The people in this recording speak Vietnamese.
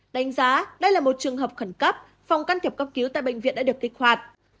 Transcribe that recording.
đánh giá đây là một trường hợp khẩn cấp phòng can thiệp cấp cứu tại bệnh viện đã được kích hoạt